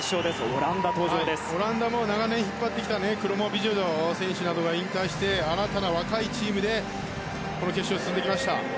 オランダも長年引っ張ってきた選手が引退して、新たな若いチームで決勝に進んできました。